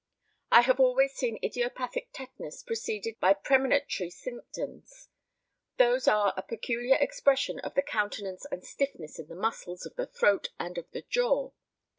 I have always seen idiopathic tetanus preceded by premonitory symptoms. Those are a peculiar expression of the countenance and stiffness in the muscles of the throat and of the jaw.